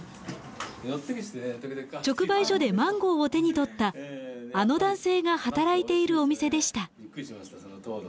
直売所でマンゴーを手に取ったあの男性が働いているお店でした。